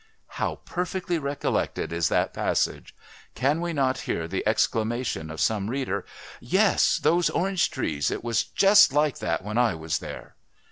How perfectly recollected is that passage! Can we not hear the exclamation of some reader: "Yes those orange trees! It was just like that when I was there!"